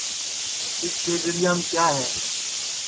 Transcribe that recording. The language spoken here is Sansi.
اِس دؔیگڑِیام کِیا ہے